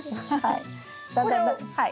はい。